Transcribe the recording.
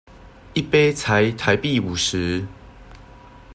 一杯才台幣五十